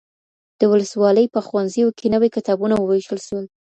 د ولسوالۍ په ښوونځیو کي نوي کتابونه وویشل سول